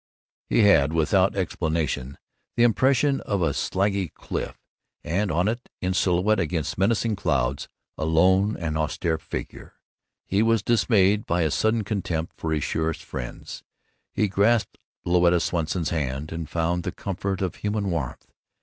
He had, without explanation, the impression of a slaggy cliff and on it, in silhouette against menacing clouds, a lone and austere figure. He was dismayed by a sudden contempt for his surest friends. He grasped Louetta Swanson's hand, and found the comfort of human warmth.